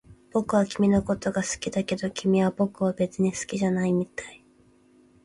僕は君のことが好きだけど、君は僕を別に好きじゃないみたい